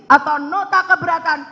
atau nota keberatan dari penuntut umum